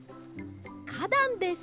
かだんです。